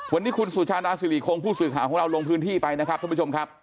วันนี้คุณสุชาดาสิริคงผู้สื่อข่าวของเราลงพื้นที่ไปนะครับท่านผู้ชมครับ